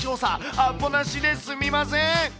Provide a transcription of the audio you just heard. アポなしですみません。